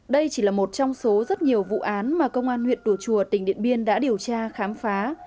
đây chỉ là một trong số rất nhiều vụ án mà công an huyện tùa chùa tỉnh điện biên đã điều tra khám phá